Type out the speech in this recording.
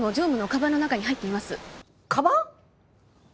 かばん。